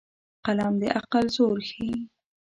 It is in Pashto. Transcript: قلم د عقل زور ښيي